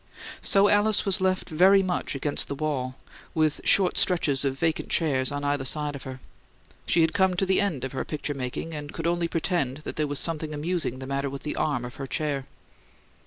So Alice was left very much against the wall, with short stretches of vacant chairs on each side of her. She had come to the end of her picture making, and could only pretend that there was something amusing the matter with the arm of her chair.